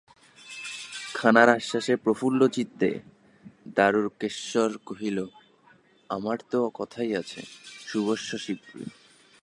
খানার আশ্বাসে প্রফুল্লচিত্তে দারুকেশ্বর কহিল, আমার তো কথাই আছে, শুভস্য শীঘ্রং।